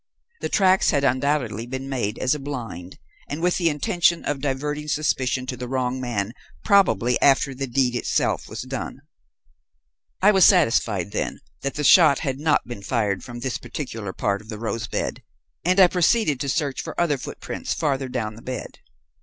The tracks had undoubtedly been made as a blind and with the intention of diverting suspicion to the wrong man probably after the deed itself was done. "I was satisfied, then, that the shot had not been fired from this particular part of the rose bed, and I proceeded to search for other footprints farther down the bed.